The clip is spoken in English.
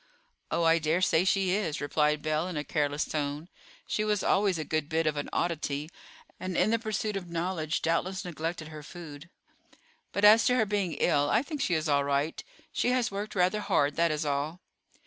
"Oh, I dare say she is!" replied Belle in a careless tone. "She was always a good bit of an oddity, and in the pursuit of knowledge doubtless neglected her food; but as to her being ill, I think she is all right. She has worked rather hard, that is all."